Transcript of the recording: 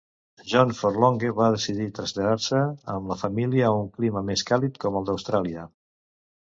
John Forlonge va decidir traslladar-se amb la família a un clima més càlid com el d'Austràlia.